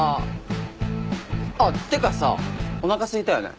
あってかさおなかすいたよね？